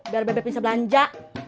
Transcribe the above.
biar bebe bisa belanja